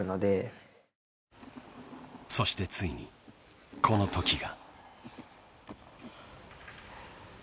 ［そしてついにこのときが］